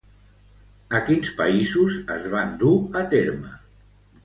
A quins països es van dur a terme?